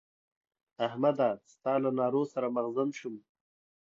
احمده! ستا له نارو سر مغزن شوم.